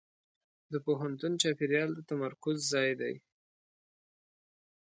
د پوهنتون چاپېریال د تمرکز ځای دی.